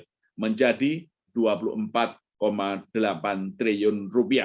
dan mencapai rp tiga empat ratus enam puluh delapan empat triliun